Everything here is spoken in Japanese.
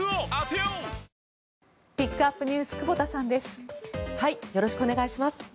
よろしくお願いします。